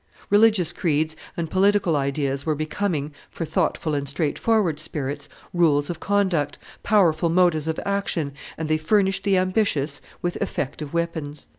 Religious creeds and political ideas were becoming, for thoughtful and straightforward spirits, rules of conduct, powerful motives of action, and they furnished the ambitious with effective weapons.